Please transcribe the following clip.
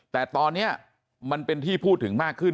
แต่ตอนนี้มันเป็นที่พูดถึงมากขึ้น